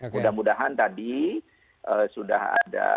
mudah mudahan tadi sudah ada